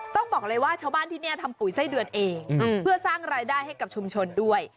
ต้องบอกเลยว่าชาวบ้านที่นี่ทำปุ๋ยไส้เดือนเองเพื่อสร้างรายได้ให้กับชุมชนด้วย